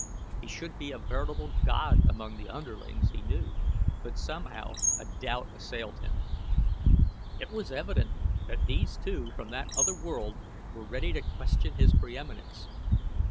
He should be a veritable god among the underlings, he knew; but somehow a doubt assailed him. It was evident that these two from that other world were ready to question his preeminence.